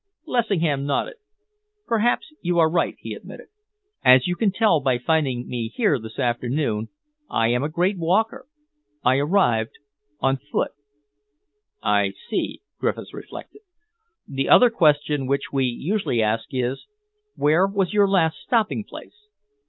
Lessingham nodded. "Perhaps you are right," he admitted. "As you can tell by finding me here this afternoon, I am a great walker. I arrived on foot." "I see," Griffiths reflected. "The other question which we usually ask is, where was your last stopping place?"